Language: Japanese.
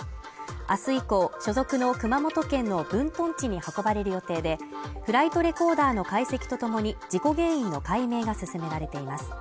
明日以降所属の熊本県の分屯地に運ばれる予定で、フライトレコーダーの解析とともに、事故原因の解明が進められています。